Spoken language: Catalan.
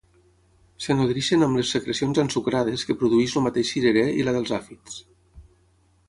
Es nodreixen amb les secrecions ensucrades que produeix el mateix cirerer i la dels àfids.